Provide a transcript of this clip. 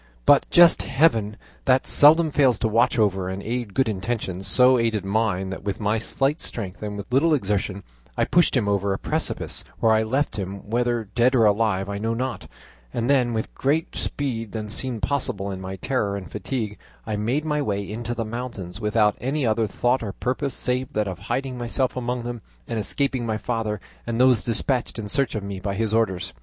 "But just Heaven, that seldom fails to watch over and aid good intentions, so aided mine that with my slight strength and with little exertion I pushed him over a precipice, where I left him, whether dead or alive I know not; and then, with greater speed than seemed possible in my terror and fatigue, I made my way into the mountains, without any other thought or purpose save that of hiding myself among them, and escaping my father and those despatched in search of me by his orders.